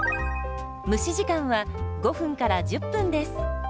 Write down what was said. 蒸し時間は５１０分です。